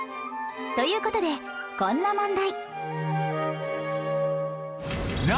という事でこんな問題